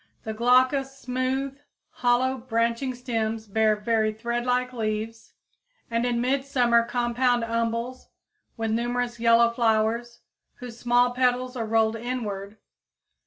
The glaucous, smooth, hollow, branching stems bear very threadlike leaves and in midsummer compound umbels with numerous yellow flowers, whose small petals are rolled inward.